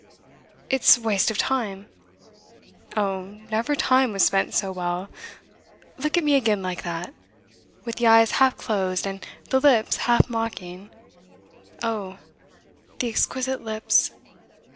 'It's waste of time.' 'Oh, never time was spent so well! Look at me again like that with the eyes half closed, and the lips half mocking. Oh, the exquisite lips!